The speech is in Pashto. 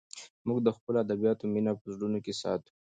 موږ د خپلو ادیبانو مینه په زړونو کې ساتو.